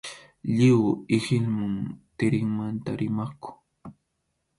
Lliw ihilmum tirinmanta rimaqku.